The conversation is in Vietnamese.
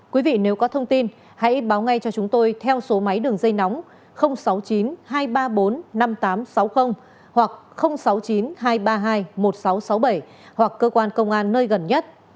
quý vị nếu có thông tin hãy báo ngay cho chúng tôi theo số máy đường dây nóng sáu mươi chín hai trăm ba mươi bốn năm nghìn tám trăm sáu mươi hoặc sáu mươi chín hai trăm ba mươi hai một nghìn sáu trăm sáu mươi bảy hoặc cơ quan công an nơi gần nhất